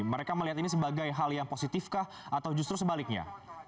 mereka melihat ini sebagai hal yang positif kah atau justru sebaliknya